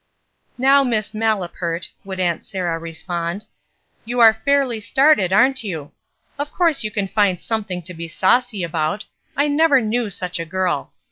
^^Now, Miss Malapert," would Aunt Sarah respond — ''you are fairly started, aren't you? Of course you can find something to be saucy about. I never knew such a girl.